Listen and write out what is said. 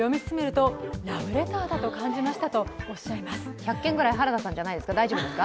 １００件ぐらい原田さんじゃないですか、大丈夫ですか？